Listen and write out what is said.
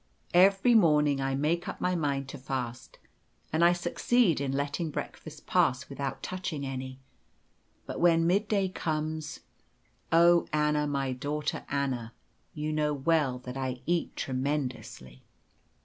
Every morning I make up my mind to fast, and I succeed in letting breakfast pass without touching any; but when mid day comes, oh! Anna, my daughter Anna, you know well that I eat tremendously."